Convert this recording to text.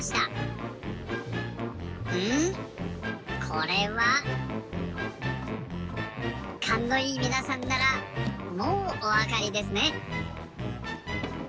これは。かんのいいみなさんならもうおわかりですね。